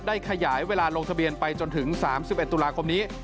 ขยายเวลาลงทะเบียนไปจนถึง๓๑ตุลาคมนี้